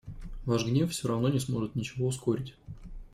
Ваш гнев всё равно не сможет ничего ускорить.